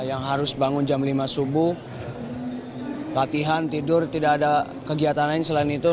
yang harus bangun jam lima subuh latihan tidur tidak ada kegiatan lain selain itu